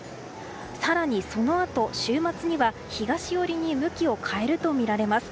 更にそのあと週末には東寄りに向きを変えるとみられます。